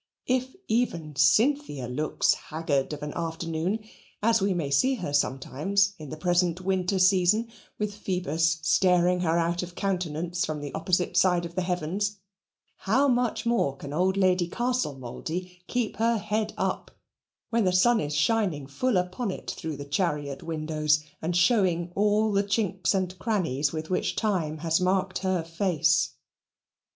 If even Cynthia looks haggard of an afternoon, as we may see her sometimes in the present winter season, with Phoebus staring her out of countenance from the opposite side of the heavens, how much more can old Lady Castlemouldy keep her head up when the sun is shining full upon it through the chariot windows, and showing all the chinks and crannies with which time has marked her face!